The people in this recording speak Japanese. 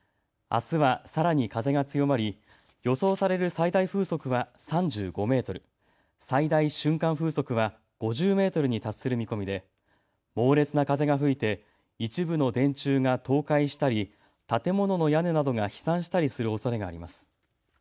あすはさらに風が強まり予想される最大風速は３５メートル、最大瞬間風速は５０メートルに達する見込みで猛烈な風が吹いて一部の電柱が倒壊したり建物の屋根などが飛散したりするおそれがあります。